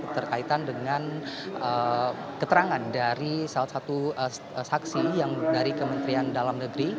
terkaitan dengan keterangan dari salah satu saksi yang dari kementerian dalam negeri